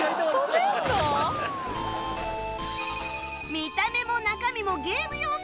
見た目も中身もゲーム要素